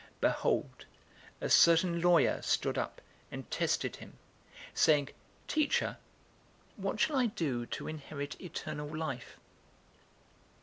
010:025 Behold, a certain lawyer stood up and tested him, saying, "Teacher, what shall I do to inherit eternal life?"